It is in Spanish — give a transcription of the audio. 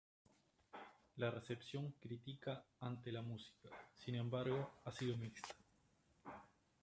La recepción crítica ante la música, sin embargo, ha sido mixta.